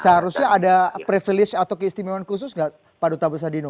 seharusnya ada privilege atau keistimewaan khusus gak pak duta besadino